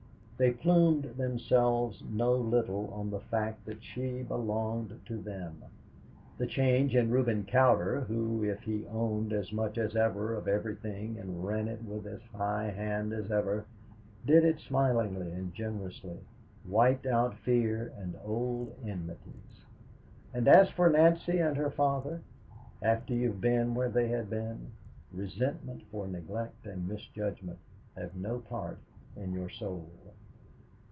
They plumed themselves no little on the fact that she belonged to them. The change in Reuben Cowder, who, if he owned as much as ever of everything and ran it with as high hand as ever, did it smilingly and generously, wiped out fear and old enmities. And as for Nancy and her father, after you've been where they had been, resentment for neglect and misjudgment have no part in your soul.